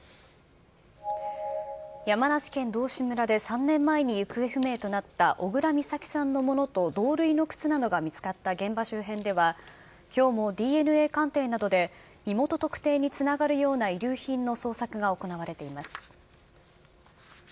山梨県道志村で３年前に行方不明となった小倉美咲さんのものと同類の靴などが見つかった現場周辺では、きょうもＤＮＡ鑑定などで身元特定につながるような遺留品の捜索が行われています。